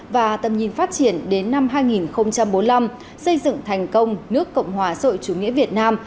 và tầm nhìn phát triển đến năm hai nghìn bốn mươi năm xây dựng thành công nước cộng hòa sội chủ nghĩa việt nam